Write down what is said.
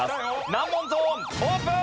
難問ゾーンオープン！